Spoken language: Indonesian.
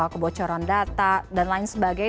kebocoran data dan lain sebagainya